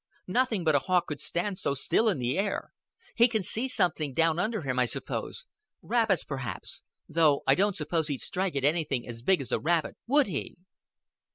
Nothing but a hawk could stand so still in the air. He can see something down under him, I suppose. Rabbits, perhaps. Though I don't suppose he'd strike at anything as big as a rabbit, would he?"